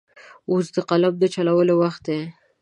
اوس د قلم د چلولو وخت دی.